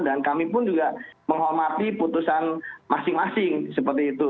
dan kami pun juga menghormati putusan masing masing seperti itu